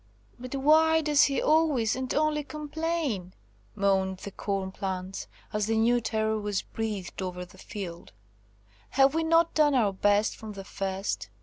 "But why does he always and only complain?" moaned the corn plants, as the new terror was breathed over the field. "Have we not done our best from the first?